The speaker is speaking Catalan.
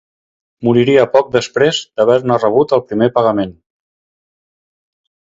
Moriria poc després d'haver-ne rebut el primer pagament.